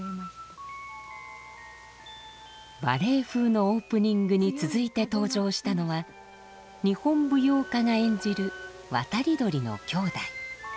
バレエ風のオープニングに続いて登場したのは日本舞踊家が演じる渡り鳥のきょうだい。